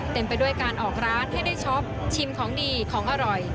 ไปด้วยการออกร้านให้ได้ช็อปชิมของดีของอร่อย